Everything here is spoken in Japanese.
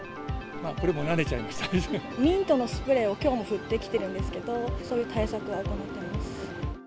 ミントのスプレーを、きょうも振ってきてるんですけど、そういう対策は行っています。